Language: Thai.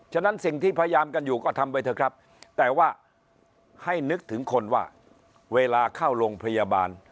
ฉะนั้นสิ่งที่พยายามกันอยู่ก็ทำไปเถอะครับแต่ว่าให้นึกถึงคนว่าเวลาเข้าโรงพยาบาล